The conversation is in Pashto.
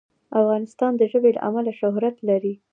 افغانستان د ژبې له امله شهرت لري.